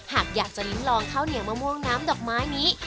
หากอยากจะลิ้มลองข้าวเหนียวมะม่วงน้ำดอกไม้นี้